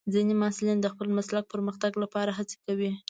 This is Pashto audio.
ځینې محصلین د خپل مسلک پرمختګ لپاره هڅه کوي.